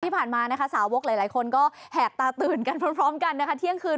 ที่ผ่านมานะคะสาวกหลายคนก็แหกตาตื่นกันพร้อมกันนะคะเที่ยงคืน